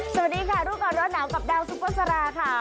สวัสดีค่ะรู้ก่อนร้อนหนาวกับดาวซุปเปอร์สราค่ะ